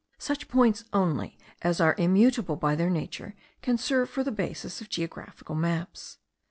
Such points only as are immutable by their nature can serve for the basis of geographical maps.